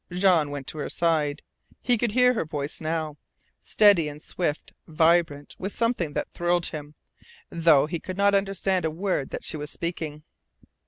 Jean went to her side. He could hear her voice now, steady and swift vibrant with something that thrilled him, though he could not understand a word that she was speaking.